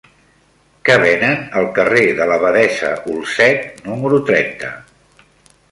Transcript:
Què venen al carrer de l'Abadessa Olzet número trenta?